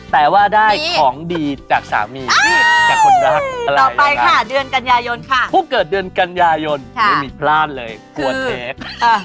แต่ว่าได้ของดีจากสามีจากคนรักอะไรค่ะผู้เกิดเดือนกัญญายนไม่มีพลาดเลยกลัวเทค